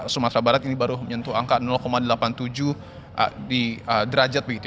sumatera barat ini baru menyentuh angka delapan puluh tujuh derajat